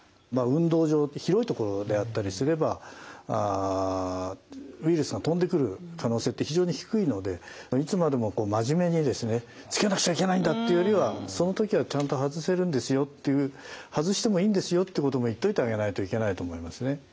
運動場広いところであったりすればウイルスが飛んでくる可能性って非常に低いのでいつまでも真面目にですねつけなくちゃいけないんだっていうよりはその時はちゃんと外せるんですよっていう外してもいいんですよってことも言っといてあげないといけないと思いますね。